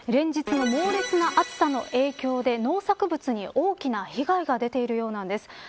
連日の猛烈な暑さの影響で農作物に大きな被害が出ているようなんです。